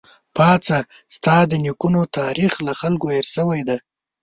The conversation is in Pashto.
پاڅه ! ستا د نيکونو تاريخ له خلکو هېر شوی دی